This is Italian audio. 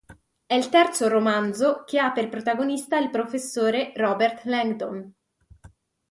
È il terzo romanzo che ha per protagonista il professore Robert Langdon.